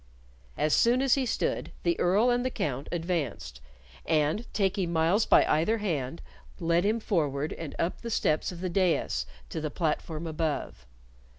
As soon as he stood, the Earl and the Count advanced, and taking Myles by either hand, led him forward and up the steps of the dais to the platform above.